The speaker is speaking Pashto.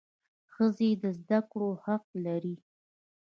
ښځي د زده کړو حق لري.